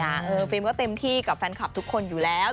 ฟิล์มก็เต็มที่กับแฟนคลับทุกคนอยู่แล้ว